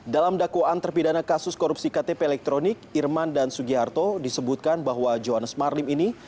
dalam dakwaan terpidana kasus korupsi ktp elektronik irman dan sugiharto disebutkan bahwa johannes marlim ini